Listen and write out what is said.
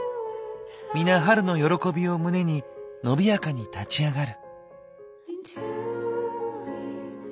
みな春の喜びを胸に伸びやかに立ち上がる。